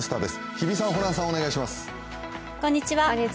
日比さん、ホランさん、お願いします。